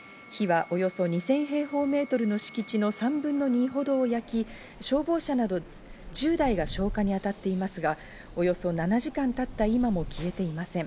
火は２０００平方メートルの敷地の３分の２ほどを焼き、消防車など１０台が消火にあたっていますが、およそ７時間経った今も消えていません。